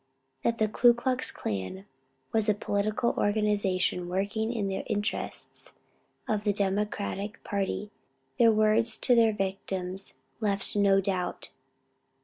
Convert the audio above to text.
That the Ku Klux Klan was a political organization working in the interests of the Democratic party, their words to their victims left no doubt.